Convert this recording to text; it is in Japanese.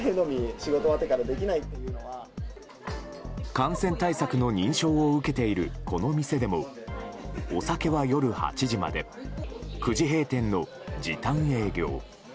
感染対策の認証を受けているこの店でもお酒は夜８時まで９時閉店の時短営業。